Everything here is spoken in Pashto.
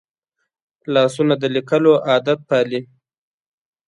لاسونه د لیکلو عادت پالي